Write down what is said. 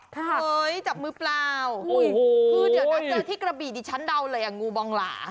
เฮ้ยจับมือเปล่าคือเดี๋ยวนะเจอที่กระบี่ดิฉันเดาเลยอ่ะงูบองหลา